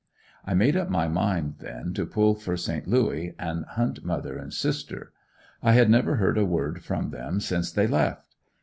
I made up my mind then to pull for Saint Louis and hunt mother and sister. I had never heard a word from them since they left.